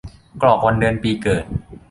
กรอกวันเดือนปีเกิด